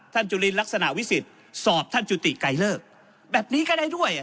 จุลินลักษณะวิสิทธิ์สอบท่านจุติไกลเลิกแบบนี้ก็ได้ด้วย